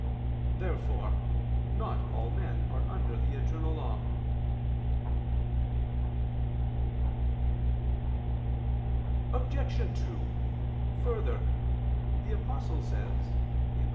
Therefore not all men are under the eternal law. Obj. 2: Further, the Apostle says (Rom.